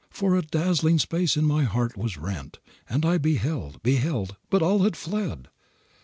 So for a dazzling space my heart was rent, And I beheld beheld but all had fled.